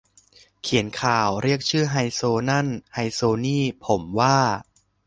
เขียนข่าว เรียกชื่อ ไฮโซ นั่นไฮโซนี่ ผมว่า